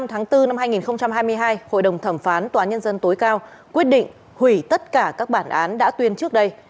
hội đồng thẩm phán tòa án nhân dân tối cao quyết định hủy tất cả các bản án đã tuyên trước đây